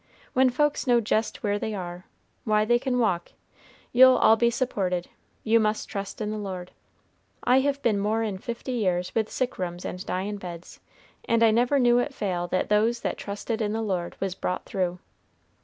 When folks know jest where they are, why they can walk; you'll all be supported; you must trust in the Lord. I have been more'n forty years with sick rooms and dyin' beds, and I never knew it fail that those that trusted in the Lord was brought through."